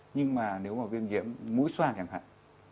nhưng mà nếu mà viêm nhiễm mũi xoa chẳng hạn